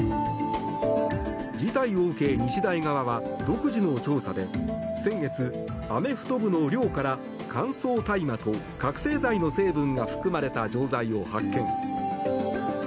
事態を受け、日大側は独自の調査で先月、アメフト部の寮から乾燥大麻と覚醒剤の成分が含まれた錠剤を発見。